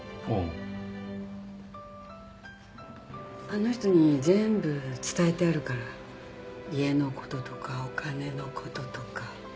あの人に全部伝えてあるから家のこととかお金のこととか。